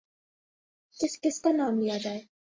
کس کس کا نام لیا جائے۔